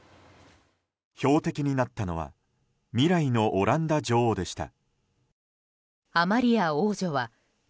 標的になったのは未来のオランダ女王でした。